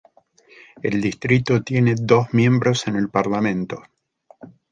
El distrito tiene dos miembros en el Parlamento.